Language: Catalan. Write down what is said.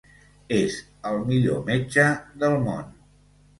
És el millor metge del món.